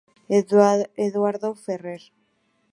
Eduardo Ferrer.